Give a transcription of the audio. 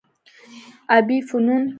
ابي فنون